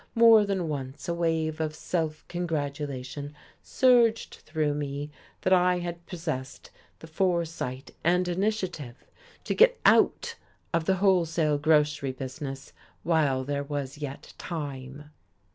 More than once a wave of self congratulation surged through me that I had possessed the foresight and initiative to get out of the wholesale grocery business while there was yet time.